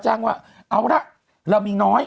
แจ้งว่าเอาละเรามีน้อย